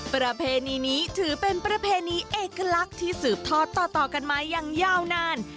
ประเพณีนี้ถือเป็นประเพณีเอกลักษณ์ที่สืบทอดต่อกันมาอย่างยาวนาน